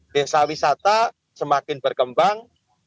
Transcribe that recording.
desa wisata semakin berkembang